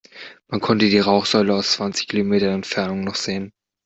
Man konnte die Rauchsäule aus zwanzig Kilometern Entfernung noch sehen.